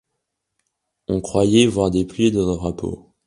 On croyait voir des plis de drapeaux.